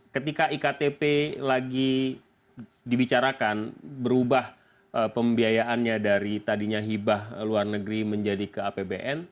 ketika iktp lagi dibicarakan berubah pembiayaannya dari tadinya hibah luar negeri menjadi ke apbn